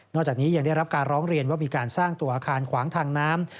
จากนี้ยังได้รับการร้องเรียนว่ามีการสร้างตัวอาคารขวางทางน้ำ